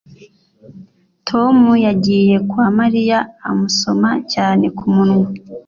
tom yagiye kwa mariya amusoma cyane ku munwa